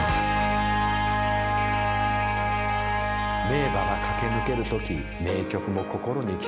名馬が駆け抜けるとき名曲も心に刻まれる。